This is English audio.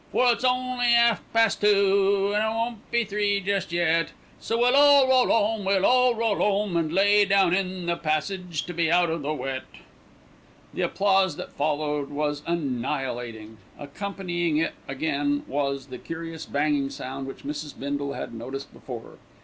For it's only 'alf past two, An' it won't be three just yet. So we'll all roll 'ome, we'll all roll 'ome, An' lay down in the passage to be out of the wet. The applause that followed was annihilating. Accompanying it again was the curious banging sound which Mrs. Bindle had noticed before.